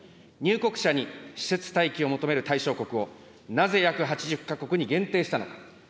入国者に施設待機を求める対象国を、なぜ約８０か国に限定したのか。